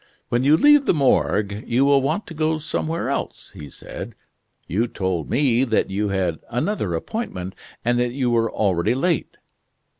"When you leave the Morgue you will want to go somewhere else," he said, "you told me that you had another appointment, and that you were already late."